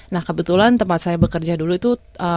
nah kebetulan tempat saya bekerja dulu itu